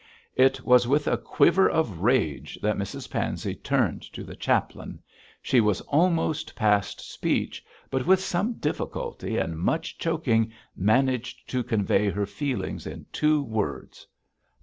It was with a quiver of rage that Mrs Pansey turned to the chaplain. She was almost past speech, but with some difficulty and much choking managed to convey her feelings in two words.